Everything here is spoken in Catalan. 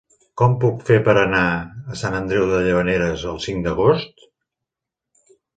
Com ho puc fer per anar a Sant Andreu de Llavaneres el cinc d'agost?